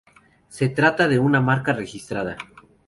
Se trata de una marca registrada.